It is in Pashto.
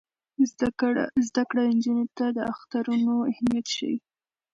زده کړه نجونو ته د اخترونو اهمیت ښيي.